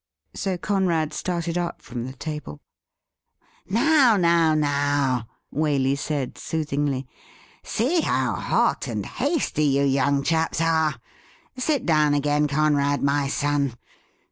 So Conrad started up from the table. ' Now, now, now !' Waley said soothingly. ' See how hot and hasty you young chaps are. Sit down again, Conrad, my son.